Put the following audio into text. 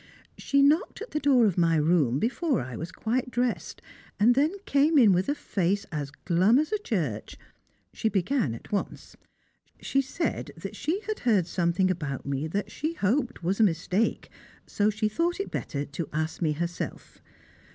She knocked at the door of my room before I was quite dressed, and then came in with a face as glum as a church. She began at once. She said that she had heard something about me that she hoped was a mistake, so she thought it better to ask me herself.